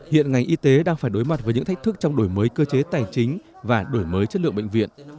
hiện ngành y tế đang phải đối mặt với những thách thức trong đổi mới cơ chế tài chính và đổi mới chất lượng bệnh viện